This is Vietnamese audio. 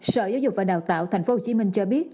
sở giáo dục và đào tạo tp hcm cho biết